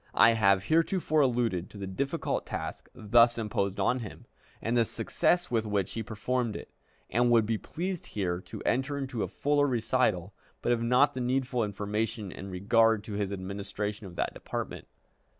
I have heretofore alluded to the difficult task thus imposed on him, and the success with which he performed it, and would be pleased here to enter into a fuller recital, but have not the needful information in regard to his administration of that department.